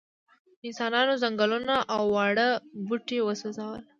انسانانو ځنګلونه او واړه بوټي وسوځول.